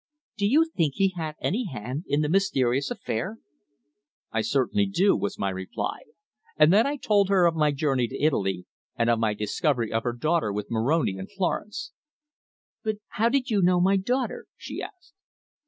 "Do you think he had any hand in the mysterious affair?" "I certainly do," was my reply, and then I told her of my journey to Italy, and of my discovery of her daughter with Moroni in Florence. "But how did you know my daughter?" she asked.